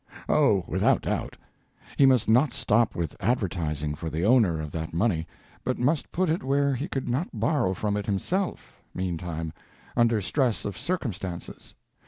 Oh, without doubt. He must not stop with advertising for the owner of that money, but must put it where he could not borrow from it himself, meantime, under stress of circumstances.